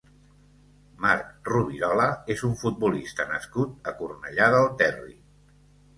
Marc Rovirola és un futbolista nascut a Cornellà del Terri.